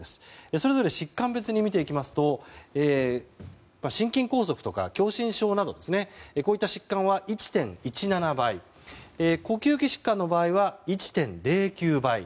それぞれ疾患別に見ていきますと心筋梗塞とか狭心症などの疾患は１．１７倍呼吸器疾患の場合は１．０９倍。